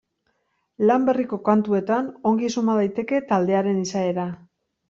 Lan berriko kantuetan ongi suma daiteke taldearen izaera.